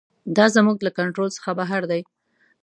دا زموږ له کنټرول څخه بهر دی.